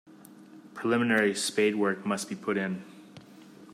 Preliminary spadework must be put in.